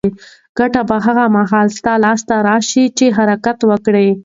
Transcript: ګټه به هغه مهال ستا لاس ته راشي چې ته حرکت وکړې.